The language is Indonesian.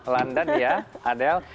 london ya adel